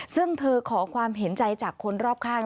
ซึ่งเธอขอความเห็นใจจากคนรอบข้าง